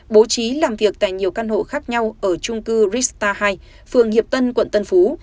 bố trí làm việc tại nhiều căn hộ khác nhau ở trung cư rista hai phường hiệp tân quận tân phú